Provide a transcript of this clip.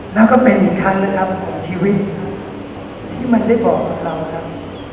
แล้วก็เป็นอีกครั้งนะครับของชีวิตที่มันได้บอกกับเราครับ